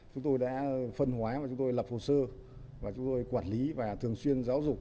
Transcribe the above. chúng tôi đã phân hóa và chúng tôi lập hồ sơ và chúng tôi quản lý và thường xuyên giáo dục